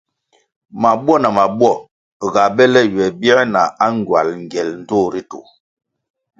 Mabwo na mabuo ga bele ywe bier na angywal ngiel ndtoh ritu.